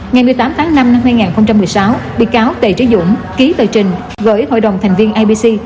ngày một mươi tám tháng năm năm hai nghìn một mươi sáu bị cáo tề trí dũng ký tờ trình gửi hội đồng thành viên ibc